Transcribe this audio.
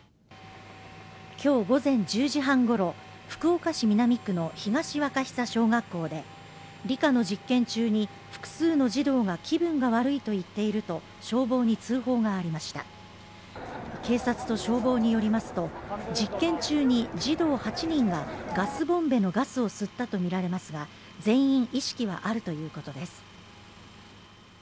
今日午前１０時半ごろ福岡市南区の東若久小学校で理科の実験中に複数の児童が気分が悪いと言っていると消防に通報がありました警察と消防によりますと実験中に児童８人がガスボンベのガスを吸ったと見られますが全員意識はあるということです